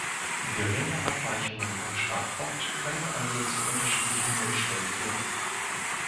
Geringe Abweichungen im Startpunkt können also zu unterschiedlichen Nullstellen führen.